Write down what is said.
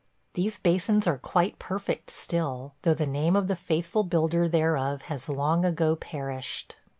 These basins are quite perfect still, though the name of the faithful builder thereof has long ago perished.